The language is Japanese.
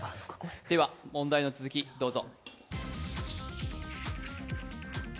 では問題の続き、どうぞ。